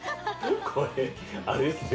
これあれですね